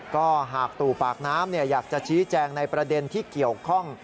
ก็หากตู่ปากน้ำอยากจะชี้แจงในประเด็นที่เกี่ยวข้อง